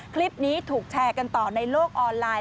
คลิปนี้ถูกแชร์กันต่อในโลกออนไลน์